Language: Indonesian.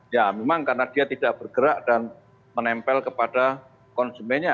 ya memang karena dia tidak bergerak dan menempel kepada konsumennya